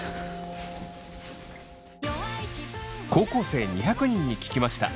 高校生２００人に聞きました。